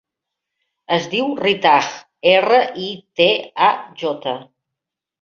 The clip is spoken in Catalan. Es diu Ritaj: erra, i, te, a, jota.